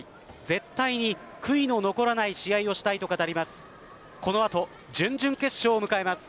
絶対に悔いの残らない試合をしたいと語ります。